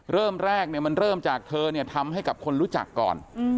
เริ่มแรกมันเริ่มจากเธอเนี่ยทำให้กับคนรู้จักก่อน